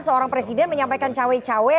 seorang presiden menyampaikan cawe cawe